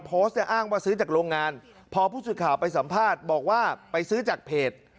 พอผู้สูงสุดข่าวไปสัมภาษณ์บอกว่าไปซื้อจากเพจ